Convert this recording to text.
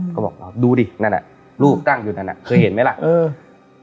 ก็บอกว่าดูดินั่นอ่ะลูกตั้งอยู่นั่นอ่ะเคยเห็นไหมล่ะเออ